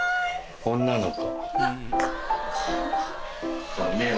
女の子。